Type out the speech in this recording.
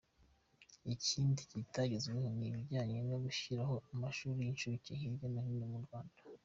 Ikindi kitagezweho ni ibijyanye no gushyiraho amashuri y’incuke hirya no hino mu Rwanda.